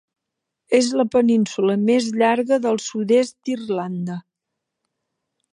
És la península més llarga del sud-est d'Irlanda.